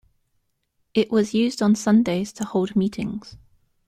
It was used on Sundays to hold meetings.